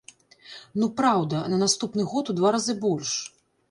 Ну, праўда, на наступны год у два разы больш.